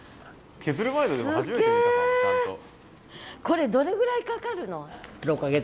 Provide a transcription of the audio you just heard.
これどれぐらいかかるの？